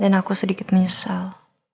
dan aku sedikit menyesal